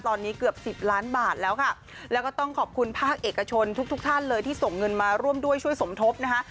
ตอนนี้เกือบสิบล้านบาทแล้วค่ะแล้วก็ต้องขอบคุณภาคเอกชนทุกทุกท่านเลยที่ส่งเงินมาร่วมด้วยช่วยสมทบนะคะ